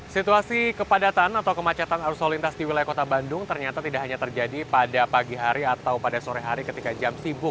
situasi kepadatan atau kemacetan arus solintas di wilayah kota bandung ternyata tidak hanya terjadi pada pagi hari atau pada sore hari ketika jam sibuk